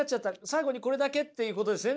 最後にこれだけ」っていうことですね？